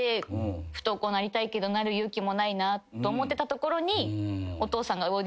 不登校になりたいけどなる勇気もないなと思ってたところに。